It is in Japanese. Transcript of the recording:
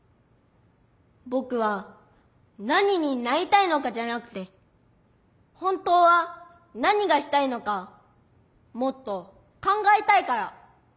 ぼくは何になりたいのかじゃなくて本当は何がしたいのかもっと考えたいから。